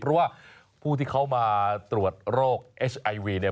เพราะว่าผู้ที่เขามาตรวจโรคไอช์ไอวี